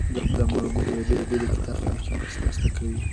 د ملګرو تجربې د کتاب انتخاب کې مرسته کوي.